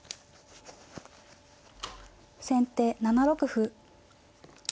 先手７六歩。